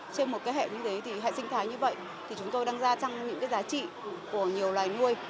trên một hệ sinh thái như vậy chúng tôi đang gia trăng những giá trị của nhiều loài nuôi